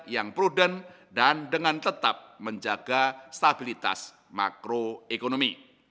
yang prudent dan dengan tetap menjaga stabilitas makroekonomi